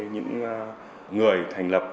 những người thành lập